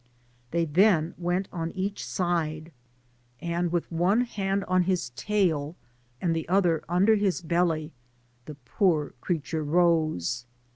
They then went on each side, and with one hand on his tail and the other under his belly, the poor creature rose.